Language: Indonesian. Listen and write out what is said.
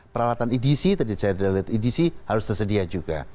peralatan edc tadi saya sudah lihat edc harus tersedia juga